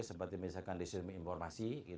seperti misalkan di sistem informasi